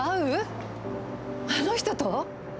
あの人と？